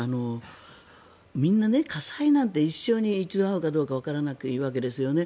みんな、火災なんて一生に一度遭うかどうかわからないわけですよね。